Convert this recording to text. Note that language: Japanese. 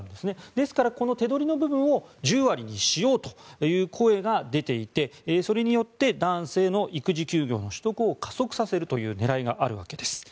ですから、この手取りの部分を１０割にしようという声が出ていてそれによって男性の育児休業の取得を加速させたいという狙いがあるわけです。